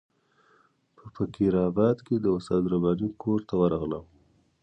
په فقیر آباد کې د استاد رباني کور ته ورغلم.